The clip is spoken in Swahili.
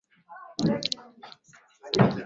Nchi wanachama wa shirikisho la biashara duniani